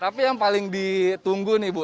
tapi yang paling ditunggu nih bu